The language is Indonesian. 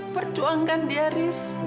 perjuangkan dia riz